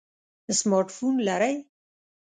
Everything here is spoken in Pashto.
سمارټ فون لرئ؟